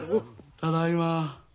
ただいま。